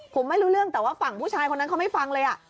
ผมไม่รู้เรื่องแต่ว่าฝั่งผู้ชายคนนั้นเขาไม่ฟังเลย